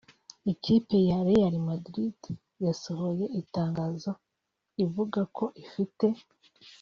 Ikipe ya Real Madrid yasohoye itangazo ivuga ko ifite